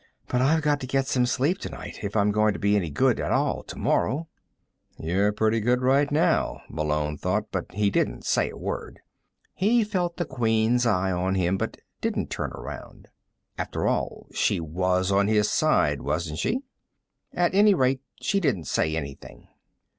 "But I've got to get some sleep tonight, if I'm going to be any good at all tomorrow." You're pretty good right now, Malone thought, but he didn't say a word. He felt the Queen's eye on him but didn't turn around. After all, she was on his side wasn't she? At any rate, she didn't say anything.